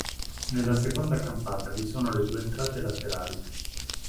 Nella seconda campata vi sono le due entrate laterali.